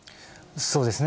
そうですね。